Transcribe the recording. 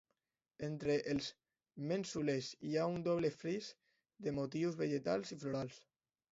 Entre les mènsules hi ha un doble fris de motius vegetals i florals.